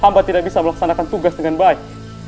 tanpa tidak bisa melaksanakan tugas dengan baik